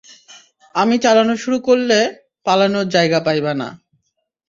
আমি চালানো শুরু করলে, পালানোর জায়গা পাইবা না।